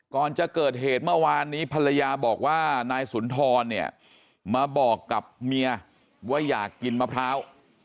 ก่อนจะเกิดเหตุเมื่อวานนี้ภรรยาบอกว่านายสุนทรเนี่ยมาบอกกับเมียว่าอยากกินมะพร้าว